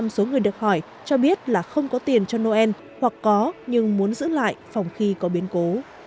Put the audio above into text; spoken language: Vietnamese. một mươi số người được hỏi cho biết là không có tiền cho noel hoặc có nhưng muốn giữ lại phòng khi có biến cố